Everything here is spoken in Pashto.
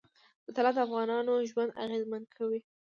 طلا د افغانانو ژوند اغېزمن کوي.